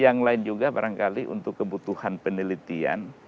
yang lain juga barangkali untuk kebutuhan penelitian